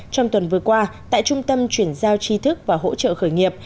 trong tuần vừa qua tại trung tâm chuyển giao tri thức và hỗ trợ khởi nghiệp